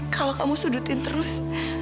kalau kamu sudutin terus